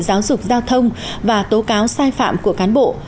giáo dục giao thông và tố cáo sai phạm của cán bộ